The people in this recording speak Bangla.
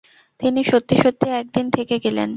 তিনি সত্যি-সত্যি এক দিন থেকে গেলেন।